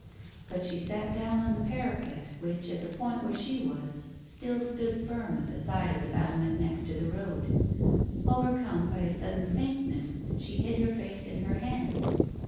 But she sat down on the parapet, which at the point where she was still Digitized by Google THE BLUE BONNET 169 stood firm at the side of the battlement next the road. Overcome by a sudden faintness, she hid her face in her hands.